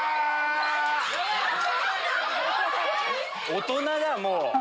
大人だもう。